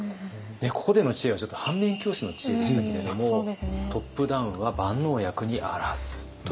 ここでの知恵はちょっと反面教師の知恵でしたけれども「トップダウンは万能薬に非ず」という知恵です。